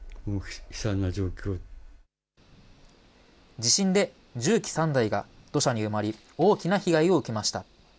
地震で重機３台が土砂に埋まり、大きな被害を受けました。